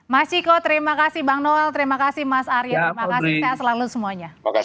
mas chiko terima kasih bang noel terima kasih mas arya terima kasih